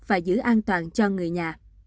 và giữ an toàn cho người nhà